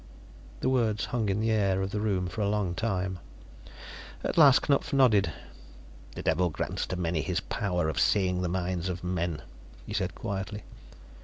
The words hung in the air of the room for a long time. At last Knupf nodded. "The Devil grants to many his power of seeing the minds of men," he said quietly.